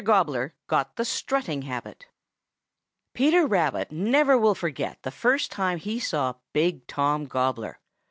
GOBBLER GOT THE STRUTTING HABIT Peter Rabbit never will forget the first time he saw Big Tom Gobbler.